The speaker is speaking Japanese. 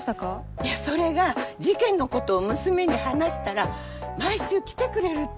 いやそれが事件のことを娘に話したら毎週来てくれるって。